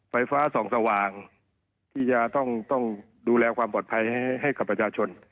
ไฟฟ้าส่องสว่างที่จะต้องดูแลความปลอดภัยให้กับประชาชน